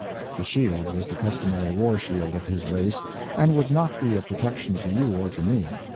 The shield was the customary war shield of his race, and would not be a protection to you or to me.